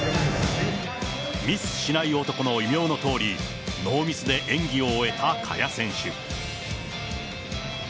ミスしない男の異名のとおり、ノーミスで演技を終えた萱選手。